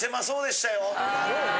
だろうね。